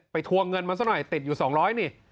ทวงเงินมาซะหน่อยติดอยู่๒๐๐นี่